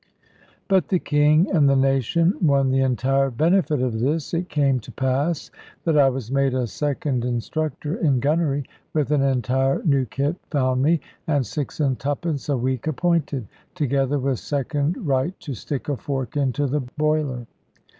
But the King and the nation won the entire benefit of this. It came to pass that I was made a second instructor in gunnery, with an entire new kit found me, and six and twopence a week appointed, together with second right to stick a fork into the boiler.